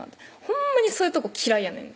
「ほんまにそういうとこ嫌いやねん」